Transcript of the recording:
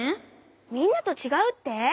みんなとちがうって！？